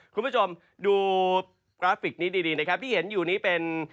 คุณผู้ชมดูกราฟิกนี้ดีนะครับที่เห็นอยู่นี้เป็น